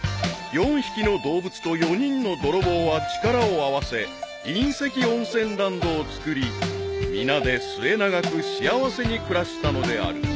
［４匹の動物と４人の泥棒は力を合わせ隕石温泉ランドを造り皆で末永く幸せに暮らしたのである］